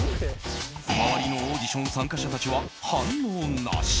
周りのオーディション参加者たちは反応なし。